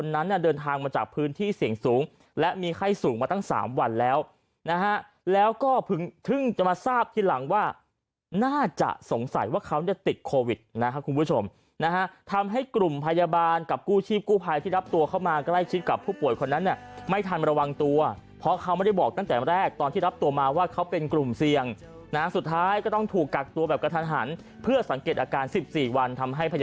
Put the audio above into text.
น่าจะสงสัยว่าเขาจะติดโควิดนะครับคุณผู้ชมนะฮะทำให้กลุ่มพยาบาลกับกู้ชีพกู้ภัยที่รับตัวเข้ามาใกล้ชิดกับผู้ป่วยคนนั้นเนี่ยไม่ทันมาระวังตัวเพราะเขาไม่ได้บอกตั้งแต่แรกตอนที่รับตัวมาว่าเขาเป็นกลุ่มเสี่ยงนะสุดท้ายก็ต้องถูกกักตัวแบบกระทะหันเพื่อสังเกตอาการสิบสี่วันทำให